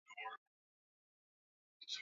Bolivia Guyana Suriname na Guyana ya Kifaransa kwa